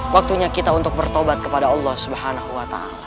waktunya kita untuk bertobat kepada allah subhanahu wa ta'ala